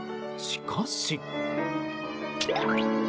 しかし。